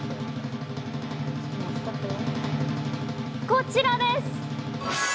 こちらです。